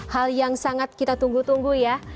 hal yang sangat kita tunggu tunggu ya